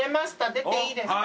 出ていいですか？